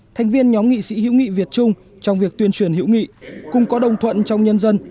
thành viên nhóm nghị sĩ hữu nghị việt trung trong việc tuyên truyền hữu nghị cùng có đồng thuận trong nhân dân